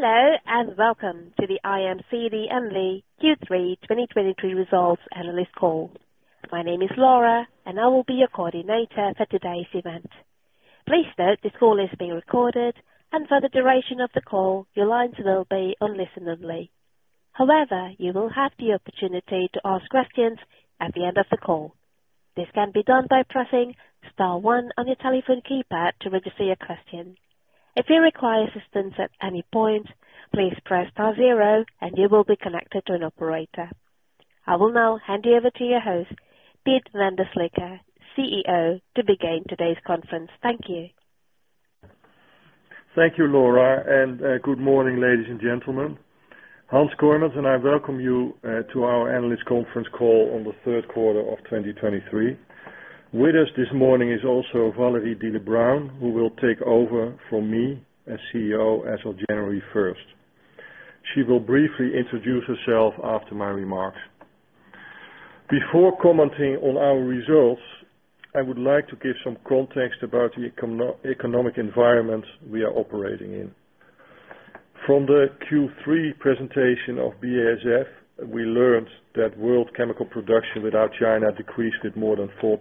Hello, and welcome to the IMCD and the Q3 2023 Results Analyst Call. My name is Laura, and I will be your coordinator for today's event. Please note, this call is being recorded, and for the duration of the call, your lines will be on listen only. However, you will have the opportunity to ask questions at the end of the call. This can be done by pressing star one on your telephone keypad to register your question. If you require assistance at any point, please press star zero and you will be connected to an operator. I will now hand you over to your host, Piet van der Slikke, CEO, to begin today's conference. Thank you. Thank you, Laura, and good morning, ladies and gentlemen. Hans Kooijmans and I welcome you to our analyst conference call on the third quarter of 2023. With us this morning is also Valerie Diele-Braun, who will take over from me as CEO as of January first. She will briefly introduce herself after my remarks. Before commenting on our results, I would like to give some context about the economic environment we are operating in. From the Q3 presentation of BASF, we learned that world chemical production without China decreased with more than 4%.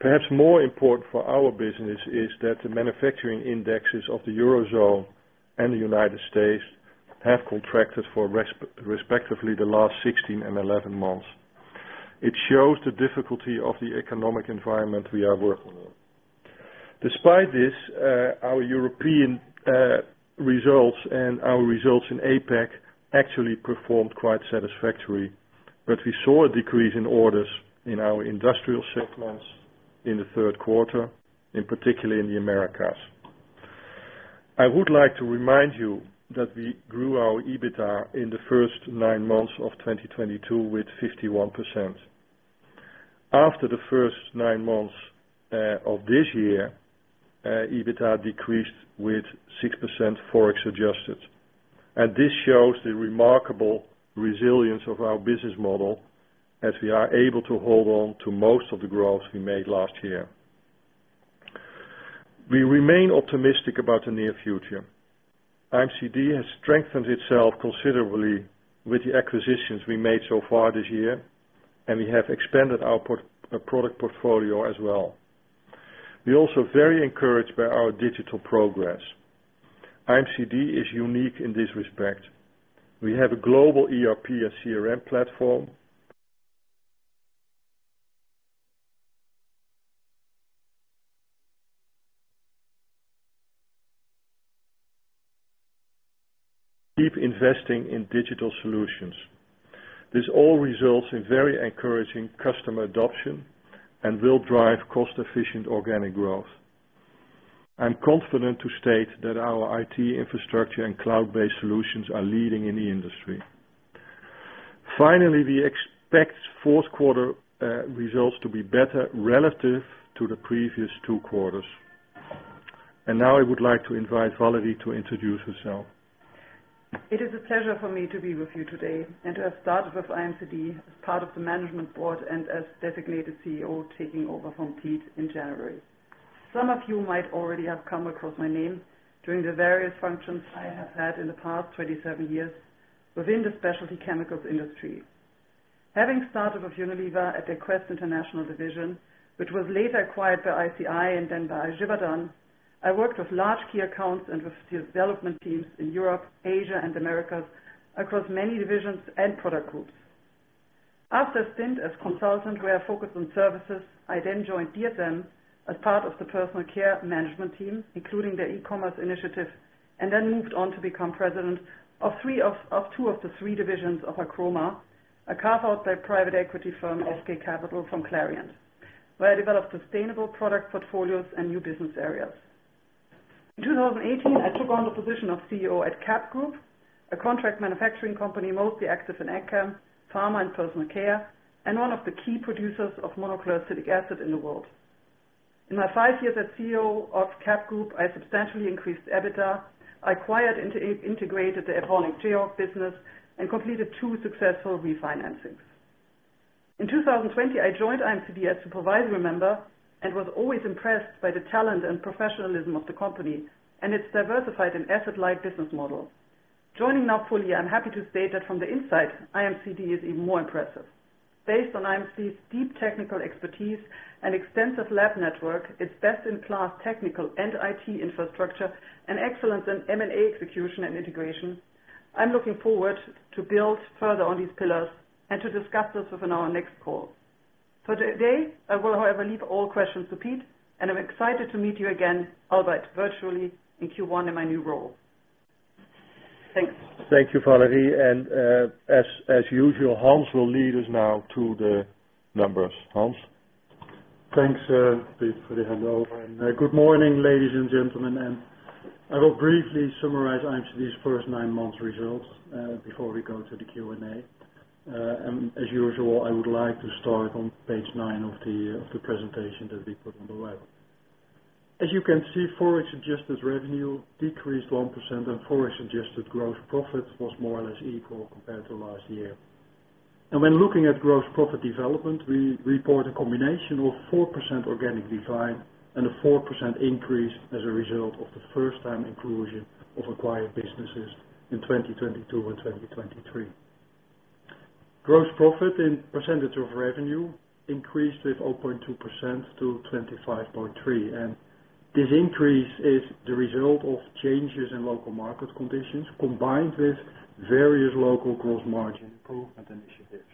Perhaps more important for our business is that the manufacturing indexes of the Eurozone and the United States have contracted for respectively the last 16 and 11 months. It shows the difficulty of the economic environment we are working on. Despite this, our European results and our results in APAC actually performed quite satisfactory, but we saw a decrease in orders in our industrial segments in the third quarter, and particularly in the Americas. I would like to remind you that we grew our EBITDA in the first nine months of 2022 with 51%. After the first nine months of this year, EBITDA decreased with 6% Forex adjusted. This shows the remarkable resilience of our business model as we are able to hold on to most of the growth we made last year. We remain optimistic about the near future. IMCD has strengthened itself considerably with the acquisitions we made so far this year, and we have expanded our product portfolio as well. We're also very encouraged by our digital progress. IMCD is unique in this respect. We have a global ERP and CRM platform. Keep investing in digital solutions. This all results in very encouraging customer adoption and will drive cost-efficient organic growth. I'm confident to state that our IT infrastructure and cloud-based solutions are leading in the industry. Finally, we expect fourth quarter results to be better relative to the previous two quarters. Now I would like to invite Valerie to introduce herself. It is a pleasure for me to be with you today and to have started with IMCD as part of the management board and as designated CEO, taking over from Piet in January. Some of you might already have come across my name during the various functions I have had in the past 27 years within the specialty chemicals industry. Having started with Unilever at the Quest International Division, which was later acquired by ICI and then by Givaudan, I worked with large key accounts and with the development teams in Europe, Asia, and Americas across many divisions and product groups. After a stint as consultant, where I focused on services, I then joined DSM as part of the personal care management team, including their e-commerce initiative, and then moved on to become president of three of... of two of the three divisions of Archroma, a carve-out by private equity firm, SK Capital, from Clariant, where I developed sustainable product portfolios and new business areas. In 2018, I took on the position of CEO at CABB Group, a contract manufacturing company, mostly active in Agchem, pharma, and personal care, and one of the key producers of monochloroacetic acid in the world. In my five years as CEO of CABB Group, I substantially increased EBITDA, acquired and integrated the Apus Química business, and completed two successful refinancings. In 2020, I joined IMCD as supervisory member and was always impressed by the talent and professionalism of the company and its diversified and asset-light business model. Joining now fully, I'm happy to state that from the inside, IMCD is even more impressive. Based on IMCD's deep technical expertise and extensive lab network, its best-in-class technical and IT infrastructure, and excellence in M&A execution and integration, I'm looking forward to build further on these pillars and to discuss this within our next call. For today, I will, however, leave all questions to Piet, and I'm excited to meet you again, albeit virtually, in Q1 in my new role. Thanks. Thank you, Valerie. And, as usual, Hans will lead us now to the numbers. Hans? Thanks, Piet, for the hand over. And, good morning, ladies and gentlemen, and I will briefly summarize IMCD's first nine months results, before we go to the Q&A. And as usual, I would like to start on page 9 of the, of the presentation that we put on the web. As you can see, Forex adjusted revenue decreased 1%, and Forex adjusted gross profit was more or less equal compared to last year. And when looking at gross profit development, we report a combination of 4% organic decline and a 4% increase as a result of the first time inclusion of acquired businesses in 2022 and 2023. Gross profit in percentage of revenue increased with 0.2% to 25.3%, and this increase is the result of changes in local market conditions, combined with various local gross margin improvement initiatives.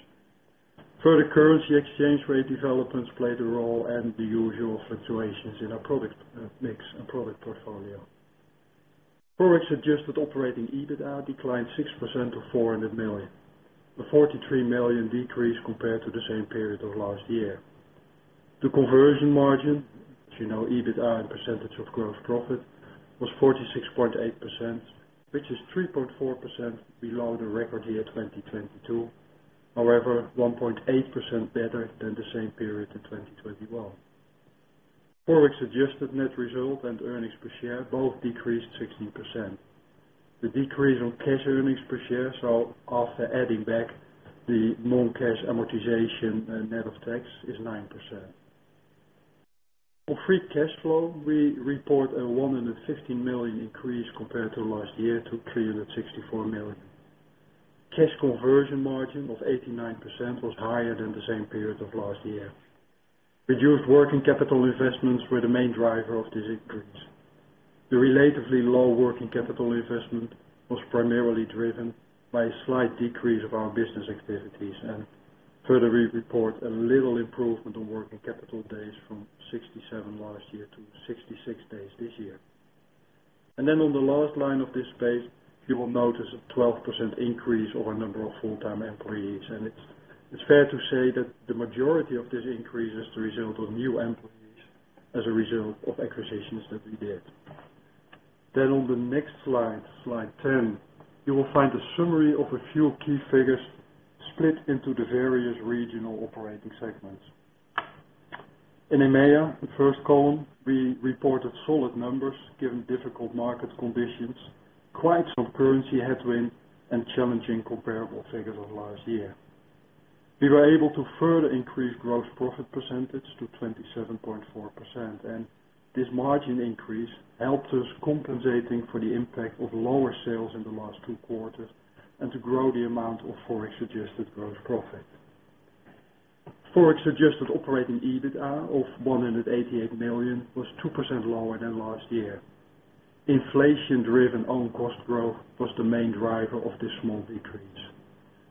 Further currency exchange rate developments played a role and the usual fluctuations in our product mix and product portfolio. Forex adjusted operating EBITDA declined 6% to 400 million, a 43 million decrease compared to the same period of last year. The conversion margin, as you know, EBITDA and percentage of gross profit, was 46.8%, which is 3.4% below the record year, 2022. However, 1.8% better than the same period in 2021. Forex adjusted net result and earnings per share both decreased 16%. The decrease on cash earnings per share, so after adding back the non-cash amortization and net of tax, is 9%. On free cash flow, we report a 115 million increase compared to last year, to 364 million. Cash conversion margin of 89% was higher than the same period of last year. Reduced working capital investments were the main driver of this increase. The relatively low working capital investment was primarily driven by a slight decrease of our business activities, and further, we report a little improvement on working capital days from 67 last year to 66 days this year. And then on the last line of this page, you will notice a 12% increase over a number of full-time employees. It's, it's fair to say that the majority of this increase is the result of new employees as a result of acquisitions that we did. On the next slide, slide 10, you will find a summary of a few key figures split into the various regional operating segments. In EMEA, the first column, we reported solid numbers, given difficult market conditions, quite some currency headwind, and challenging comparable figures of last year. We were able to further increase gross profit percentage to 27.4%, and this margin increase helped us compensating for the impact of lower sales in the last two quarters and to grow the amount of Forex-adjusted gross profit. Forex-adjusted operating EBITDA of 188 million was 2% lower than last year. Inflation-driven own cost growth was the main driver of this small decrease,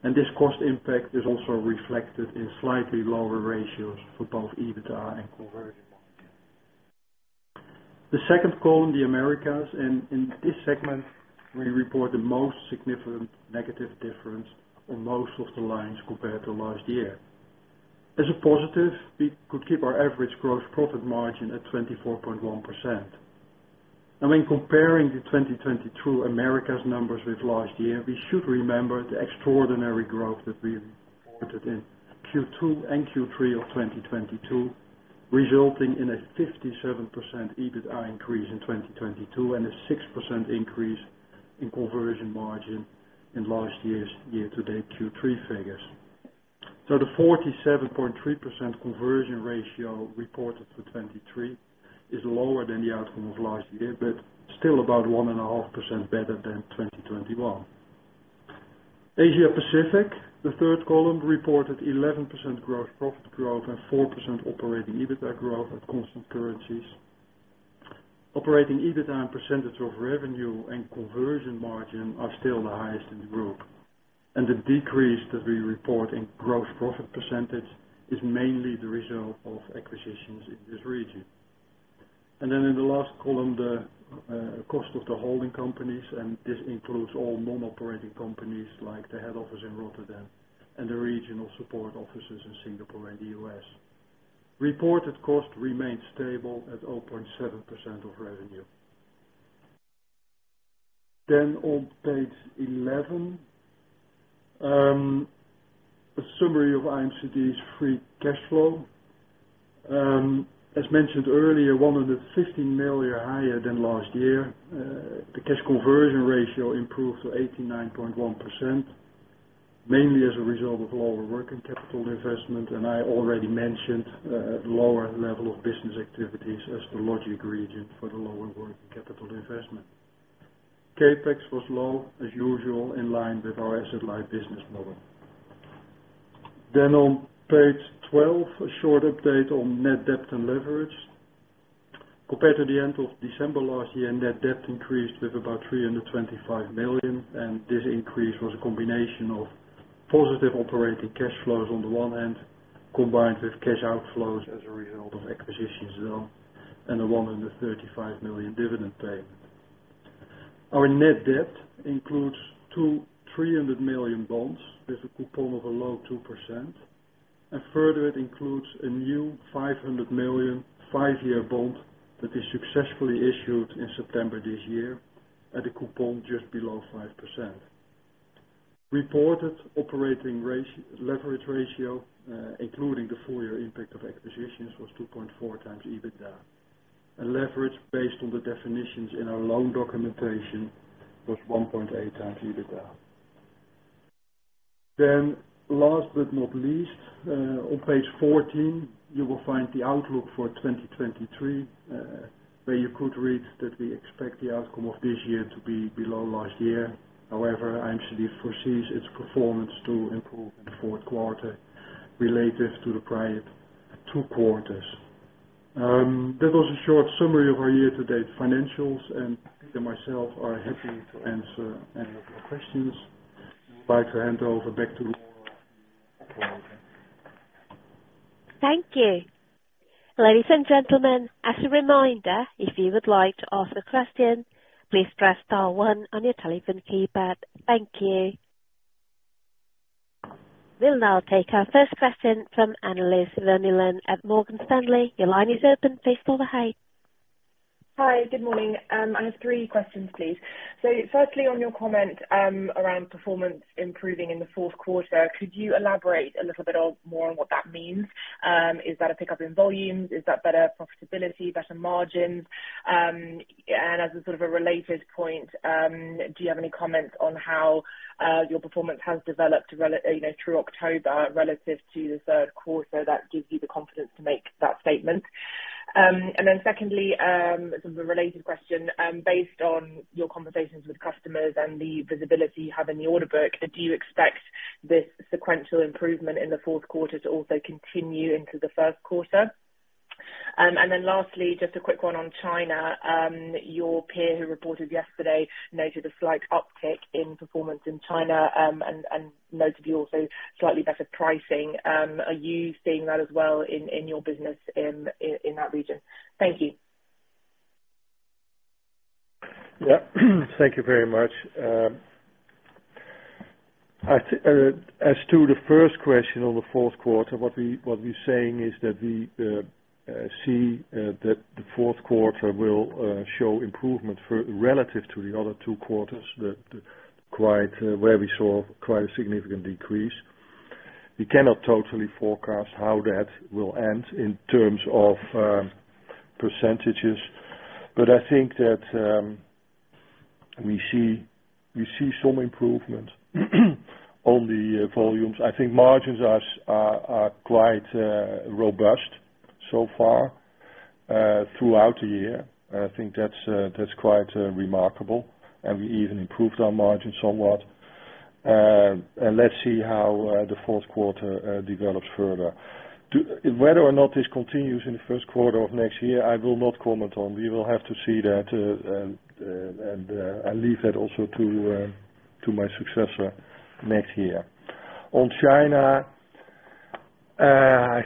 and this cost impact is also reflected in slightly lower ratios for both EBITDA and conversion. The second column, the Americas, and in this segment, we report the most significant negative difference on most of the lines compared to last year. As a positive, we could keep our average gross profit margin at 24.1%. When comparing the 2022 Americas numbers with last year, we should remember the extraordinary growth that we reported in Q2 and Q3 of 2022, resulting in a 57% EBITDA increase in 2022, and a 6% increase in conversion margin in last year's year-to-date Q3 figures. So the 47.3% conversion ratio reported for 2023 is lower than the outcome of last year, but still about 1.5% better than 2021. Asia-Pacific, the third column, reported 11% gross profit growth and 4% operating EBITDA growth at constant currencies. Operating EBITDA and percentage of revenue and conversion margin are still the highest in the group, and the decrease that we report in gross profit percentage is mainly the result of acquisitions in this region. Then in the last column, the cost of the holding companies, and this includes all non-operating companies, like the head office in Rotterdam and the regional support offices in Singapore and the US. Reported cost remained stable at 0.7% of revenue. Then on page 11, a summary of IMCD's free cash flow. As mentioned earlier, 115 million higher than last year. The cash conversion ratio improved to 89.1%, mainly as a result of lower working capital investment, and I already mentioned, lower level of business activities as the logical reason for the lower working capital investment. CapEx was low as usual, in line with our asset-light business model. Then on page 12, a short update on net debt and leverage. Compared to the end of December last year, net debt increased with about 325 million, and this increase was a combination of positive operating cash flows on the one hand, combined with cash outflows as a result of acquisitions done and a 135 million dividend payment. Our net debt includes 300 million bonds with a coupon of a low 2%, and further, it includes a new 500 million, 5-year bond that is successfully issued in September this year at a coupon just below 5%. Reported operating ratio—leverage ratio, including the full year impact of acquisitions, was 2.4x EBITDA. And leverage based on the definitions in our loan documentation was 1.8x EBITDA. Then last but not least, on page 14, you will find the outlook for 2023, where you could read that we expect the outcome of this year to be below last year. However, IMCD foresees its performance to improve in the fourth quarter relative to the prior two quarters. That was a short summary of our year-to-date financials, and Piet and myself are happy to answer any of your questions. I'd like to hand over back to Laura. Thank you. Ladies and gentlemen, as a reminder, if you would like to ask a question, please press star one on your telephone keypad. Thank you. We'll now take our first question from analyst Leonie Linn at Morgan Stanley. Your line is open. Please go ahead. Hi, good morning. I have three questions, please. So firstly, on your comment, around performance improving in the fourth quarter, could you elaborate a little bit of more on what that means? Is that a pickup in volumes? Is that better profitability, better margins? And as a sort of a related point, do you have any comments on how, your performance has developed you know, through October relative to the third quarter, that gives you the confidence to make that statement? And then secondly, sort of a related question. Based on your conversations with customers and the visibility you have in the order book, do you expect this sequential improvement in the fourth quarter to also continue into the first quarter? And then lastly, just a quick one on China. Your peer, who reported yesterday, noted a slight uptick in performance in China, and noted you also slightly better pricing. Are you seeing that as well in your business in that region? Thank you. Yeah. Thank you very much. As to the first question on the fourth quarter, what we're saying is that we see that the fourth quarter will show improvement relative to the other two quarters, where we saw quite a significant decrease. We cannot totally forecast how that will end in terms of percentages, but I think that we see some improvement on the volumes. I think margins are quite robust so far throughout the year. I think that's quite remarkable, and we even improved our margins somewhat. Let's see how the fourth quarter develops further. Whether or not this continues in the first quarter of next year, I will not comment on. We will have to see that, and I leave that also to my successor next year. On China, I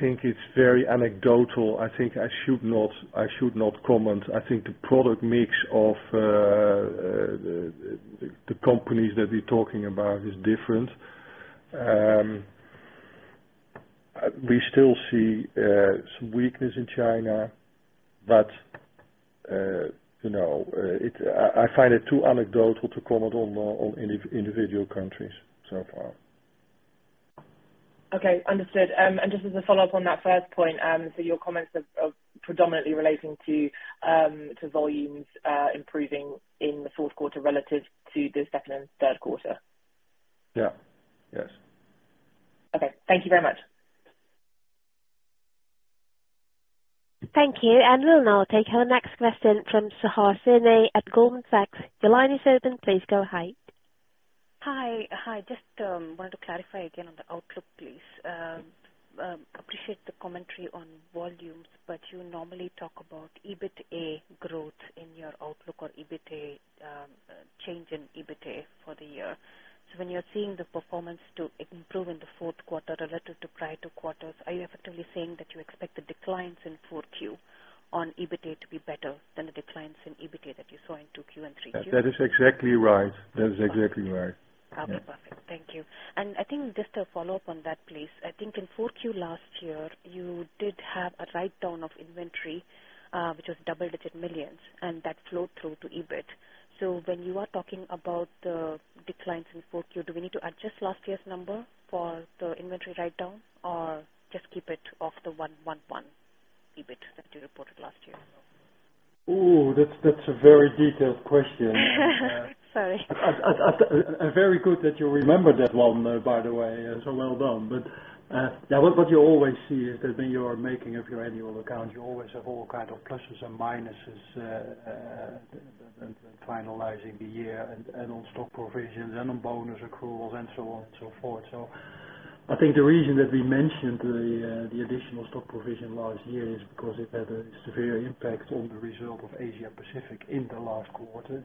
think it's very anecdotal. I think I should not comment. I think the product mix of the companies that we're talking about is different. We still see some weakness in China, but you know, I find it too anecdotal to comment on individual countries so far. Okay, understood. And just as a follow-up on that first point, so your comments are predominantly relating to volumes improving in the fourth quarter relative to the second and third quarter? Yeah. Yes. Okay. Thank you very much. Thank you. And we'll now take our next question from Suhasini at Goldman Sachs. Your line is open. Please go ahead. Hi. Hi, just wanted to clarify again on the outlook, please. Appreciate the commentary on volumes, but you normally talk about EBITDA growth in your outlook or EBITDA change in EBITDA for the year. So, when you're seeing the performance to improve in the fourth quarter relative to prior two quarters, are you effectively saying that you expect the declines in Q4 on EBITDA to be better than the declines in EBITDA that you saw in Q2 and Q3? That is exactly right. That is exactly right. Okay, perfect. Thank you. And I think just to follow up on that, please. I think in Q4 last year, you did have a write-down of inventory, which was double-digit millions, and that flowed through to EBIT. So, when you are talking about the declines in Q4, do we need to adjust last year's number for the inventory write-down, or just keep it off the 111 EBIT that you reported last year? Ooh, that's, that's a very detailed question. Sorry. Very good that you remembered that one, by the way, so well done. But, yeah, what you always see is that when you are making up your annual account, you always have all kind of pluses and minuses, finalizing the year and on stock provisions and on bonus accruals and so on and so forth. So I think the reason that we mentioned the additional stock provision last year is because it had a severe impact on the result of Asia Pacific in the last quarter.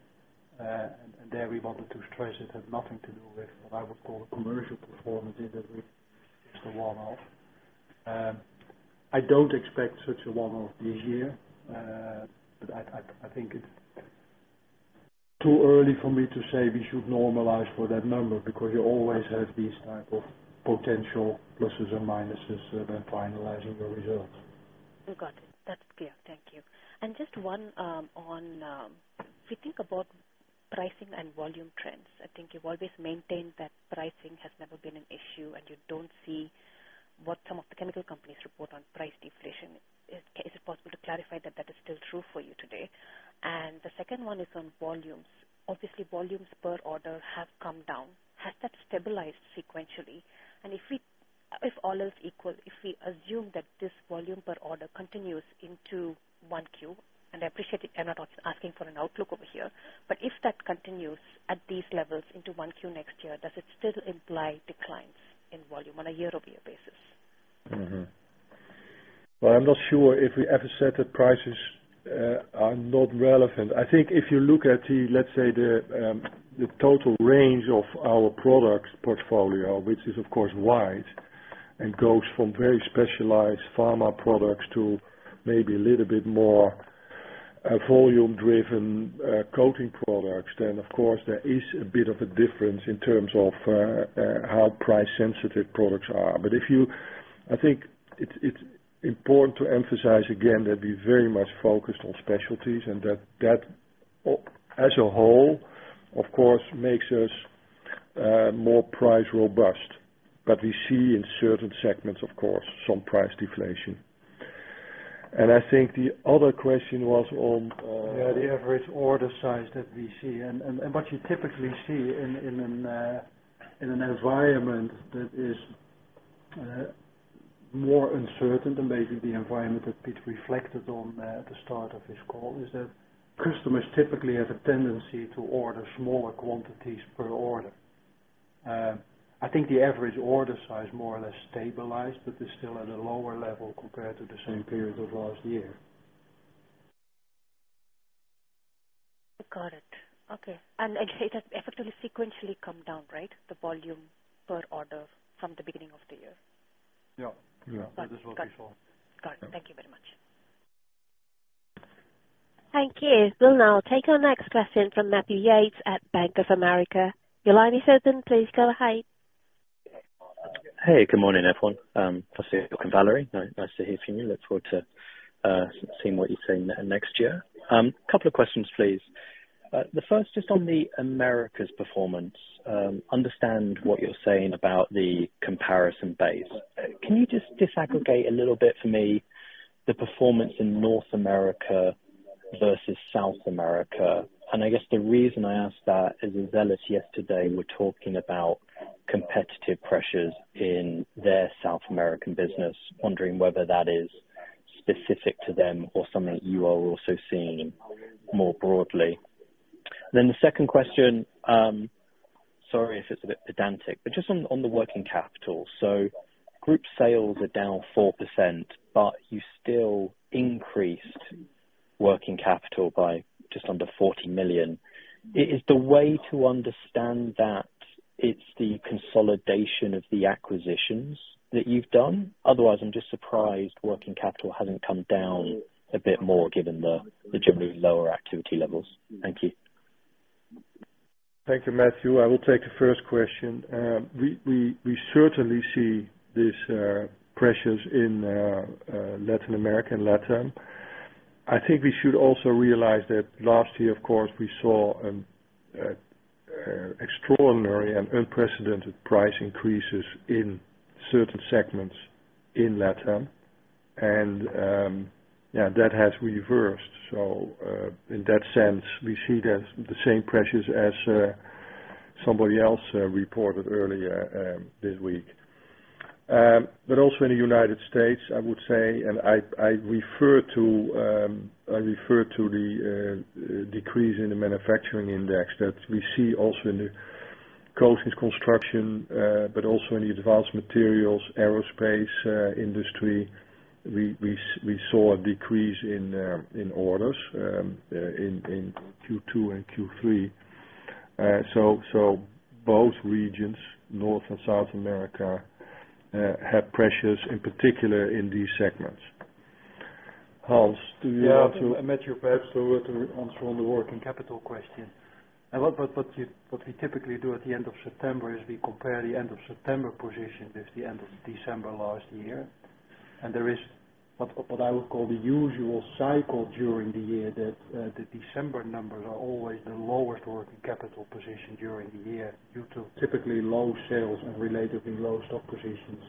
And there, we wanted to stress it had nothing to do with what I would call commercial performance. It's a one-off. I don't expect such a one-off this year. I think it's too early for me to say we should normalize for that number, because you always have these type of potential pluses and minuses when finalizing the results. We got it. That's clear. Thank you. And just one on if you think about pricing and volume trends. I think you've always maintained that pricing has never been an issue, and you don't see what some of the chemical companies report on price deflation. Is it possible to clarify that that is still true for you today? And the second one is on volumes. Obviously, volumes per order have come down. Has that stabilized sequentially? And if all else equal, if we assume that this volume per order continues into 1Q, and I appreciate I'm not asking for an outlook over here, but if that continues at these levels into 1Q next year, does it still imply declines in volume on a year-over-year basis? Well, I'm not sure if we ever said that prices are not relevant. I think if you look at the, let's say, total range of our products portfolio, which is of course wide, and goes from very specialized pharma products to maybe a little bit more volume-driven coating products, then of course there is a bit of a difference in terms of how price-sensitive products are. But if you, I think it's important to emphasize again, that we very much focused on specialties and that as a whole, of course, makes us more price robust. But we see in certain segments, of course, some price deflation. And I think the other question was on. Yeah, the average order size that we see, and what you typically see in an environment that is more uncertain than maybe the environment that Piet reflected on at the start of this call, is that customers typically have a tendency to order smaller quantities per order. I think the average order size more or less stabilized but is still at a lower level compared to the same period of last year. Got it. Okay. And it has effectively, sequentially come down, right? The volume per order from the beginning of the year. Yeah. Yeah. Got it. That is what we saw. Got it. Thank you very much. Thank you. We'll now take our next question from Matthew Yates at Bank of America. Your line is open. Please go ahead. Hey, good morning, everyone. Piet and Valerie, nice to hear from you. Look forward to, seeing what you say next year. Couple of questions, please. The first, just on the Americas performance. Understand what you're saying about the comparison base. Can you just disaggregate a little bit for me, the performance in North America versus South America? And I guess the reason I ask that is that yesterday, we were talking about competitive pressures in their South American business, wondering whether that is specific to them or something that you are also seeing more broadly. Then the second question, sorry if it's a bit pedantic, but just on the working capital. So, group sales are down 4%, but you still increased working capital by just under 40 million. Is the way to understand that it's the consolidation of the acquisitions that you've done? Otherwise, I'm just surprised working capital hasn't come down a bit more, given the generally lower activity levels. Thank you. Thank you, Matthew. I will take the first question. We certainly see these pressures in Latin America, LatAm. I think we should also realize that last year, of course, we saw extraordinary and unprecedented price increases in certain segments in LatAm, and yeah, that has reversed. So, in that sense, we see the same pressures as somebody else reported earlier this week. But also in the United States, I would say, and I refer to the decrease in the manufacturing index that we see also in the coatings construction, but also in the advanced materials, aerospace industry. We saw a decrease in orders in Q2 and Q3. So, so both regions, North and South America, have pressures in particular in these segments. Hans, do you want to- Yeah, Matthew, perhaps to, on from the working capital question. And what we typically do at the end of September is we compare the end of September position with the end of December last year. And there is what I would call the usual cycle during the year, that the December numbers are always the lowest working capital position during the year, due to typically low sales and relatively low stock positions.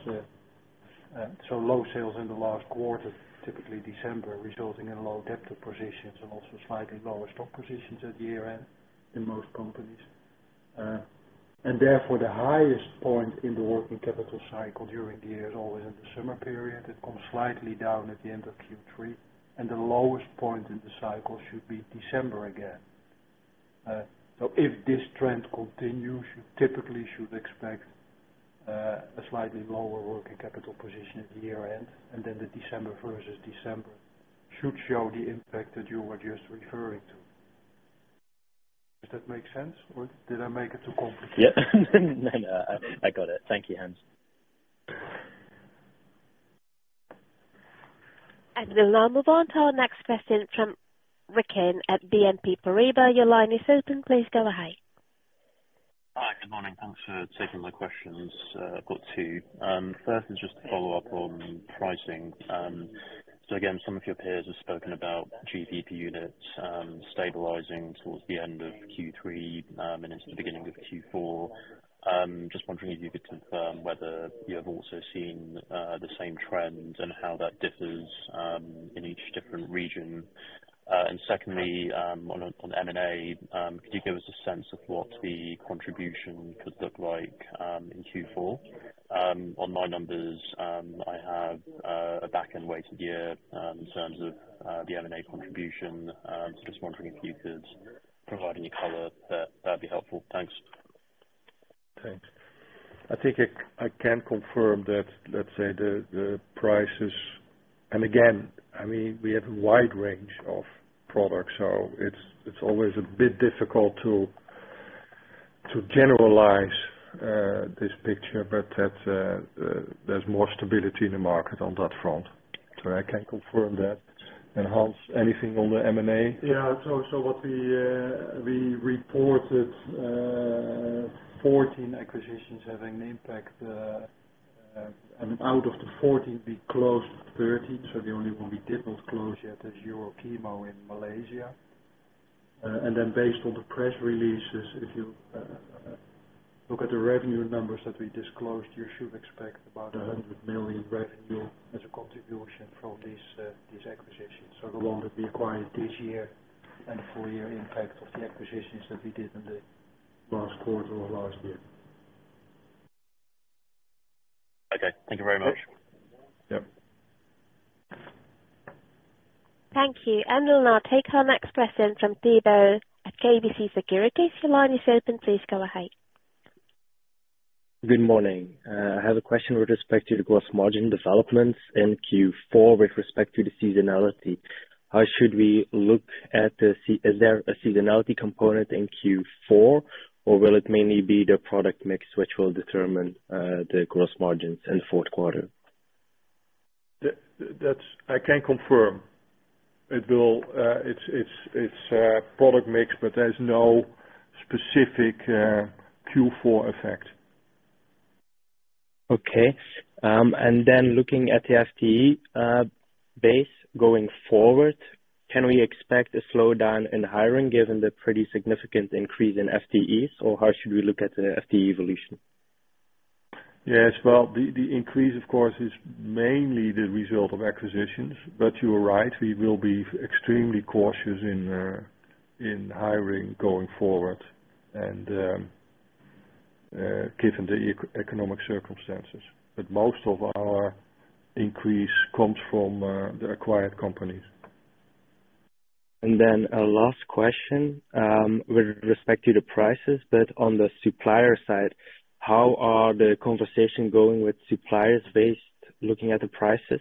So low sales in the last quarter, typically December, resulting in low debtor positions and also slightly lower stock positions at the year-end in most companies. And therefore, the highest point in the working capital cycle during the year is always in the summer period. It comes slightly down at the end of Q3, and the lowest point in the cycle should be December again. So, if this trend continues, you typically should expect a slightly lower working capital position at the year-end, and then the December versus December should show the impact that you were just referring to. Does that make sense, or did I make it too complicated? Yeah. No, I got it. Thank you, Hans. We'll now move on to our next question from Rikin at BNP Paribas. Your line is open. Please go ahead. Thanks for taking my questions. I've got two. First is just to follow up on pricing. So again, some of your peers have spoken about GDP units, stabilizing towards the end of Q3, and into the beginning of Q4. Just wondering if you could confirm whether you have also seen the same trend and how that differs in each different region? And secondly, on M&A, could you give us a sense of what the contribution could look like in Q4? On my numbers, I have a back-end weighted year in terms of the M&A contribution. So just wondering if you could provide any color, that'd be helpful. Thanks. Thanks. I think I can confirm that, let's say, the prices—and again, I mean, we have a wide range of products, so it's always a bit difficult to generalize this picture, but that there's more stability in the market on that front. So, I can confirm that. And Hans, anything on the M&A? Yeah. So, so what we, we reported, 14 acquisitions having an impact, and out of the 14, we closed 13, so the only one we didn't close yet is Euro Chemo in Malaysia. And then based on the press releases, if you, look at the revenue numbers that we disclosed, you should expect about 100 million revenue as a contribution from these, these acquisitions. So the one that we acquired this year and full year impact of the acquisitions that we did in the last quarter of last year. Okay, thank you very much. Yep. Thank you. We'll now take our next question from Thibault at KBC Securities. Your line is open, please go ahead. Good morning. I have a question with respect to the gross margin developments in Q4, with respect to the seasonality. How should we look at the seasonality? Is there a seasonality component in Q4, or will it mainly be the product mix which will determine the gross margins in the fourth quarter? That, I can confirm. It will, it's product mix, but there's no specific Q4 effect. Okay. Looking at the FTE base going forward, can we expect a slowdown in hiring, given the pretty significant increase in FTEs? Or how should we look at the FTE evolution? Yes. Well, the increase, of course, is mainly the result of acquisitions, but you are right. We will be extremely cautious in hiring going forward, and given the economic circumstances. But most of our increase comes from the acquired companies. And then a last question, with respect to the prices, but on the supplier side, how are the conversation going with suppliers based, looking at the prices?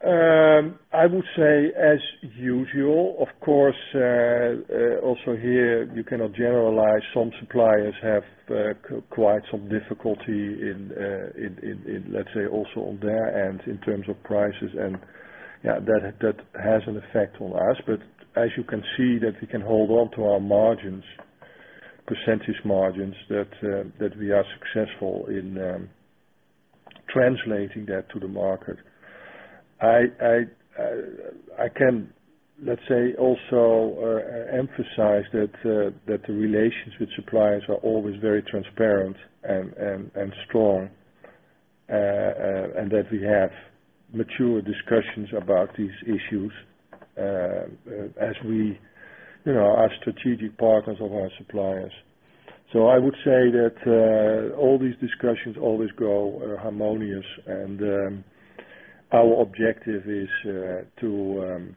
I would say as usual, of course, also here, you cannot generalize. Some suppliers have quite some difficulty in, let's say, also on their end, in terms of prices, and, yeah, that has an effect on us. But as you can see, that we can hold on to our margins, percentage margins, that we are successful in translating that to the market. I can, let's say, also emphasize that the relations with suppliers are always very transparent and strong, and that we have mature discussions about these issues, as we, you know, are strategic partners of our suppliers. So I would say that all these discussions always go harmonious, and our objective is to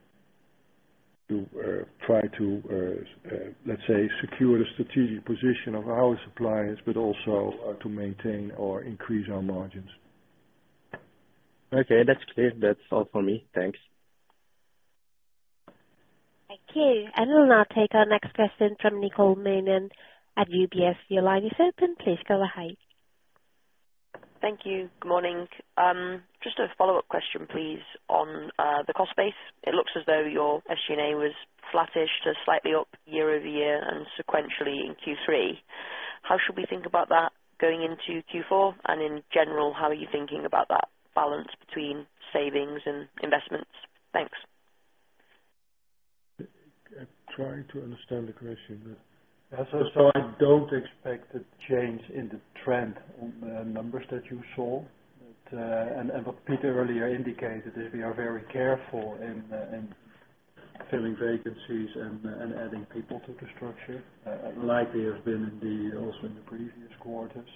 let's say secure the strategic position of our suppliers, but also to maintain or increase our margins. Okay, that's clear. That's all for me. Thanks. Thank you. We'll now take our next question from Nicole Manion at UBS. Your line is open, please go ahead. Thank you. Good morning. Just a follow-up question, please, on the cost base. It looks as though your SG&A was flattish to slightly up year-over-year and sequentially in Q3. How should we think about that going into Q4? And in general, how are you thinking about that balance between savings and investments? Thanks. I'm trying to understand the question. Yeah, so I don't expect a change in the trend on the numbers that you saw. But and what Piet earlier indicated is we are very careful in filling vacancies and adding people to the structure, like we have been also in the previous quarters.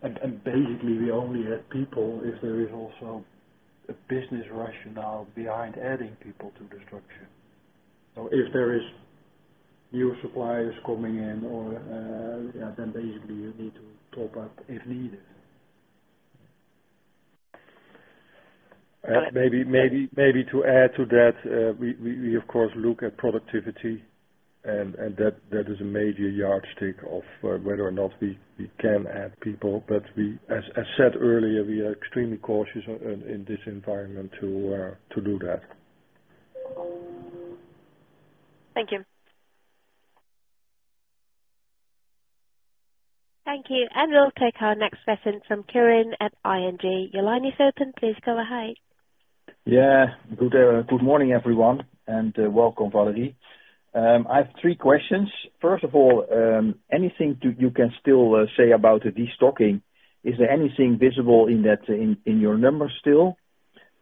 And basically, we only add people if there is also a business rationale behind adding people to the structure. So if there is new suppliers coming in or yeah, then basically you need to top up, if needed. And maybe to add to that, we of course look at productivity, and that is a major yardstick of whether or not we can add people. But as said earlier, we are extremely cautious in this environment to do that. Thank you. Thank you, and we'll take our next question from Quirijn at ING. Your line is open. Please go ahead. Yeah, good morning, everyone, and welcome, Valerie. I have three questions. First of all, anything that you can still say about the destocking, is there anything visible in that, in your numbers still?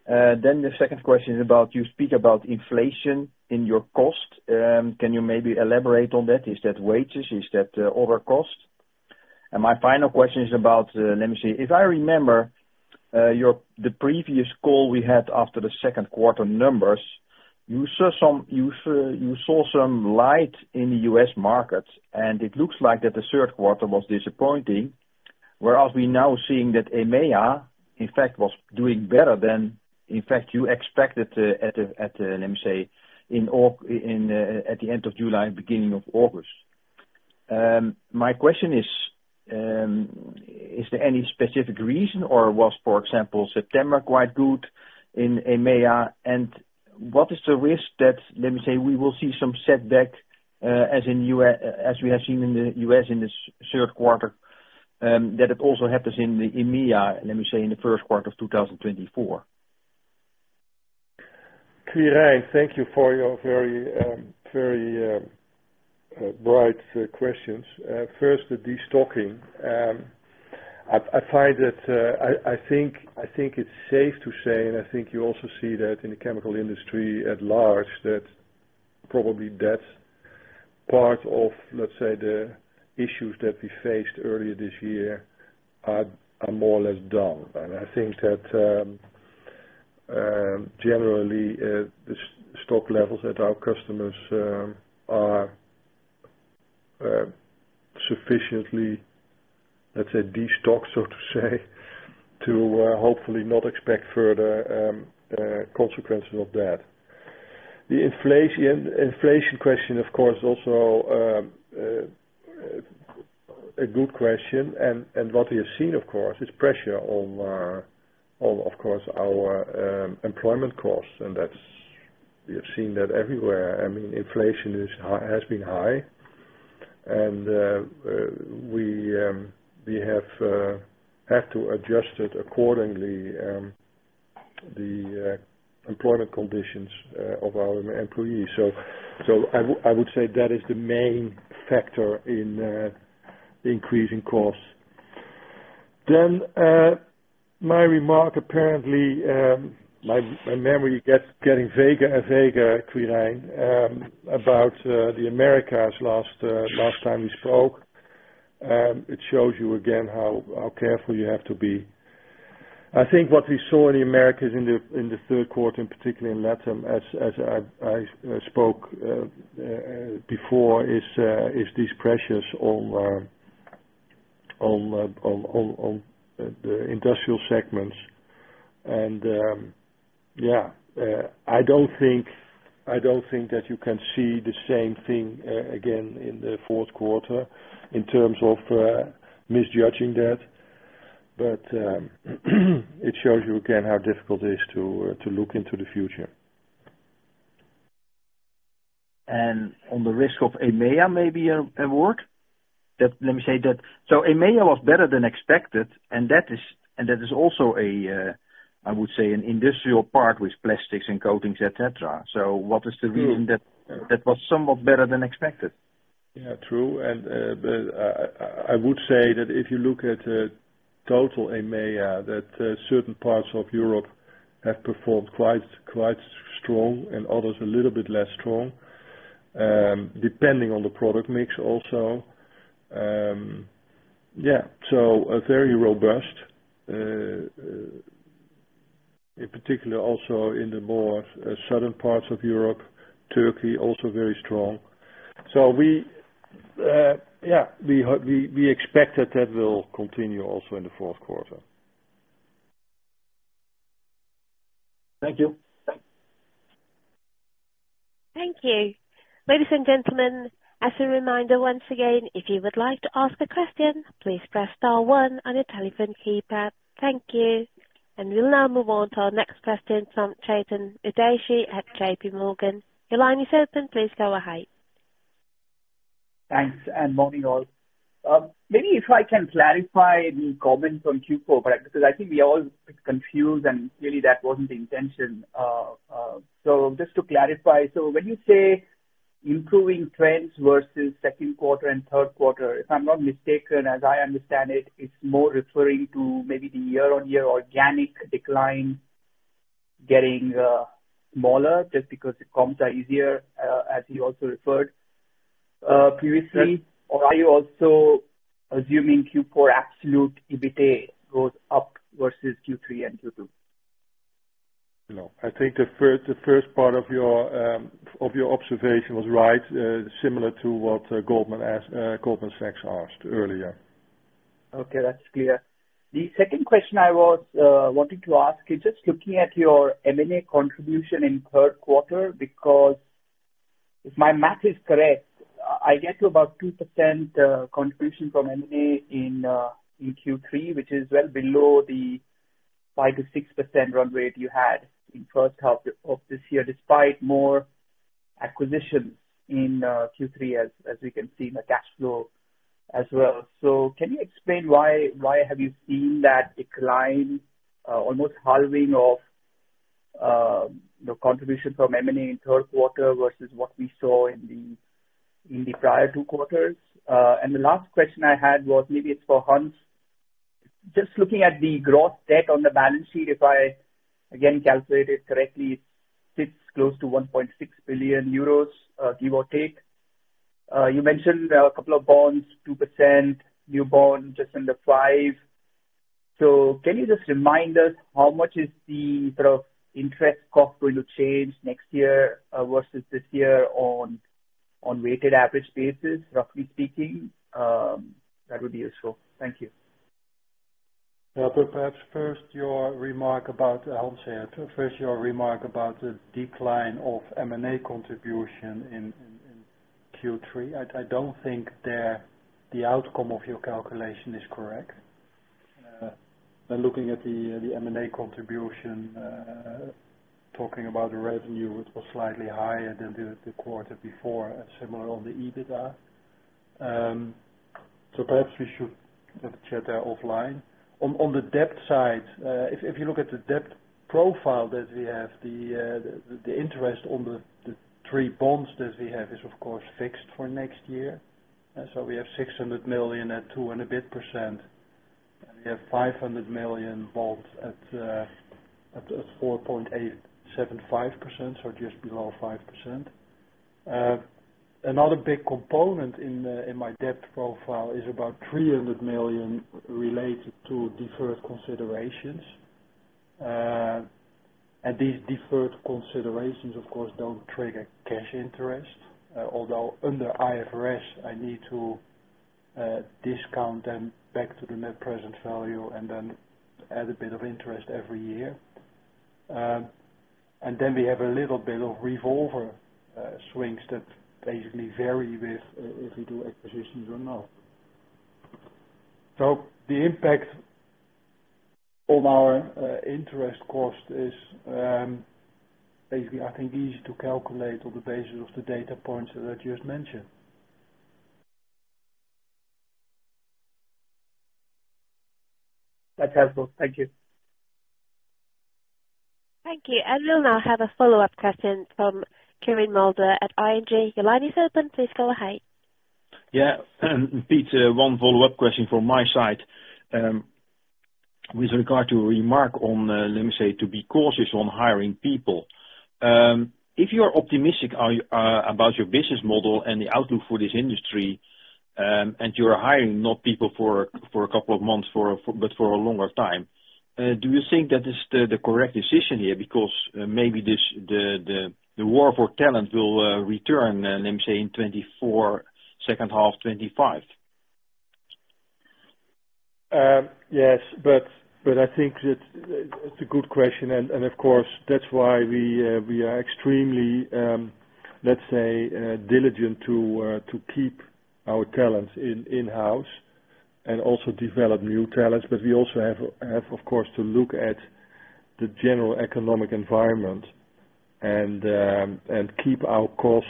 Then the second question is about, you speak about inflation in your cost. Can you maybe elaborate on that? Is that wages, is that other costs? And my final question is about, let me see. If I remember, your—the previous call we had after the second quarter numbers, you saw some light in the U.S. market, and it looks like that the third quarter was disappointing. Whereas we're now seeing that EMEA, in fact, was doing better than, in fact, you expected, at the end of July, beginning of August. My question is, is there any specific reason, or was, for example, September quite good in EMEA? And what is the risk that, let me say, we will see some setback, as in U.S., as we have seen in the U.S. in this third quarter, that it also happens in the EMEA, let me say, in the first quarter of 2024. Quirijn, thank you for your very, very bright questions. First, the destocking. I find that I think it's safe to say, and I think you also see that in the chemical industry at large, that probably that's part of, let's say, the issues that we faced earlier this year are more or less done. And I think that generally, the stock levels at our customers are sufficiently, let's say, destocked, so to say, to hopefully not expect further consequences of that. The inflation question, of course, also a good question, and what we have seen, of course, is pressure on, of course, our employment costs, and that's... We have seen that everywhere. I mean, inflation is high, has been high, and we have had to adjust it accordingly, the employment conditions of our employees. So, I would say that is the main factor in the increasing costs. Then, my remark, apparently, my memory gets getting vaguer and vaguer, Quirijn, about the Americas, last time we spoke. It shows you again how careful you have to be. I think what we saw in the Americas in the third quarter, and particularly in LatAm, as I spoke before, is these pressures on the industrial segments. I don't think that you can see the same thing again in the fourth quarter in terms of misjudging that. But, it shows you again how difficult it is to look into the future. And on the risk of EMEA, maybe a word? Let me say that, so EMEA was better than expected, and that is, and that is also a, I would say, an industrial part with plastics and coatings, et cetera. So, what is the reason- Sure. that, that was somewhat better than expected? Yeah, true. But I would say that if you look at total EMEA, that certain parts of Europe have performed quite, quite strong and others a little bit less strong, depending on the product mix also. Yeah, so very robust, in particular, also in the more southern parts of Europe, Turkey, also very strong. So we hope we expect that that will continue also in the fourth quarter. Thank you. Thank you. Ladies and gentlemen, as a reminder, once again, if you would like to ask a question, please press star one on your telephone keypad. Thank you. And we'll now move on to our next question from Chetan Udeshi at J.P. Morgan. Your line is open. Please go ahead. Thanks, and morning, all. Maybe if I can clarify the comment from Q4, because I think we all got confused, and clearly that wasn't the intention. So just to clarify, so when you say improving trends versus second quarter and third quarter, if I'm not mistaken, as I understand it, it's more referring to maybe the year-on-year organic decline getting smaller, just because the comps are easier, as you also referred previously. Yes. Or are you also assuming Q4 absolute EBITDA goes up versus Q3 and Q2? No, I think the first part of your observation was right, similar to what Goldman Sachs asked earlier. Okay, that's clear. The second question I was wanting to ask is just looking at your M&A contribution in third quarter, because if my math is correct, I get to about 2% contribution from M&A in Q3, which is well below the 5%-6% run rate you had in first half of this year, despite more acquisition in Q3 as we can see in the cash flow as well. So, can you explain why have you seen that decline, almost halving of the contribution from M&A in third quarter versus what we saw in the prior two quarters? And the last question I had was, maybe it's for Hans. Just looking at the gross debt on the balance sheet, if I, again, calculate it correctly, it sits close to 1.6 billion euros, give or take. You mentioned there are a couple of bonds, 2%, new bond, just under 5%. So, can you just remind us how much is the sort of interest cost going to change next year, versus this year on weighted average basis, roughly speaking? That would be useful. Thank you. Yeah, but perhaps first, your remark about Hans. First, your remark about the decline of M&A contribution in Q3. I don't think the outcome of your calculation is correct. But looking at the M&A contribution, talking about the revenue, it was slightly higher than the quarter before, and similar on the EBITDA. So perhaps we should have a chat there offline. On the debt side, if you look at the debt profile that we have, the interest on the three bonds that we have is, of course, fixed for next year. And so we have 600 million at 2% and a bit, and we have 500 million bonds at 4.875%, so just below 5%. Another big component in my debt profile is about 300 million related to deferred considerations. And these deferred considerations, of course, don't trigger cash interest, although under IFRS, I need to discount them back to the net present value and then add a bit of interest every year. And then we have a little bit of revolver swings that basically vary with if we do acquisitions or not. So, the impact on our interest cost is basically, I think, easy to calculate on the basis of the data points that I just mentioned. That's helpful. Thank you. Thank you. We'll now have a follow-up question from Quirijn Mulder at ING. Your line is open. Please go ahead. Yeah, Piet, one follow-up question from my side. With regard to remark on, let me say, to be cautious on hiring people. If you are optimistic are, about your business model and the outlook for this industry, and you are hiring not people for, for a couple of months, for a, but for a longer time, do you think that is the, the correct decision here? Because, maybe this, the, the, the war for talent will, return, let me say, in 2024, second half, 2025. Yes, but I think it's a good question, and of course, that's why we are extremely, let's say, diligent to keep our talents in-house and also develop new talents. But we also have, of course, to look at the general economic environment and keep our costs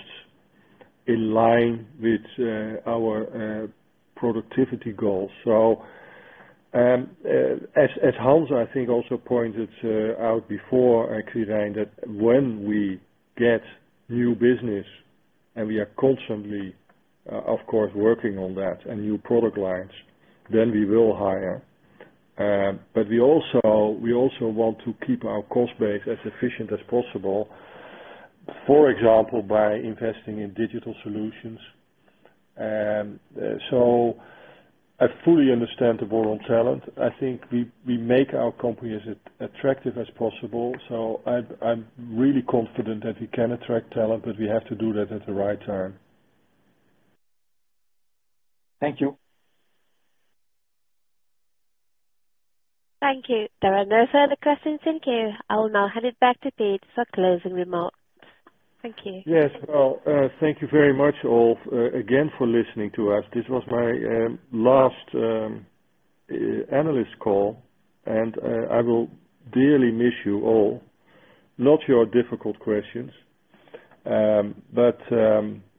in line with our productivity goals. So, as Hans, I think, also pointed out before, actually, Wim, that when we get new business, and we are constantly, of course, working on that and new product lines, then we will hire. But we also want to keep our cost base as efficient as possible, for example, by investing in digital solutions. So I fully understand the war on talent. I think we make our company as attractive as possible, so I'm really confident that we can attract talent, but we have to do that at the right time. Thank you. Thank you. There are no further questions in queue. I will now hand it back to Piet for closing remarks. Thank you. Yes, well, thank you very much, all, again for listening to us. This was my last analyst call, and I will dearly miss you all. Not your difficult questions, but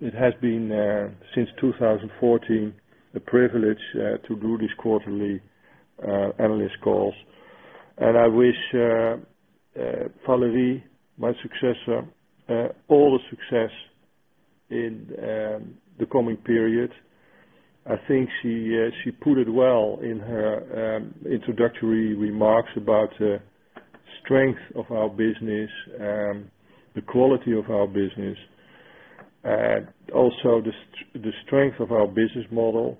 it has been, since 2014, a privilege to do these quarterly analyst calls. And I wish Valerie, my successor, all the success in the coming period. I think she put it well in her introductory remarks about the strength of our business, the quality of our business, also the strength of our business model,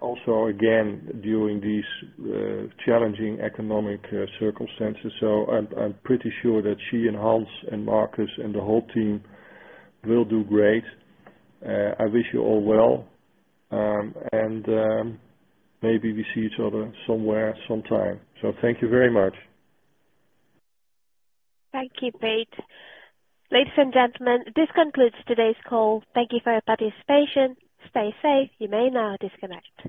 also again, during these challenging economic circumstances. So I'm pretty sure that she and Hans and Marcus and the whole team will do great. I wish you all well, and maybe we see each other somewhere, sometime. So thank you very much. Thank you, Piet. Ladies and gentlemen, this concludes today's call. Thank you for your participation. Stay safe. You may now disconnect.